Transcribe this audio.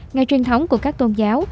ngày truyền thống của các tôn giáo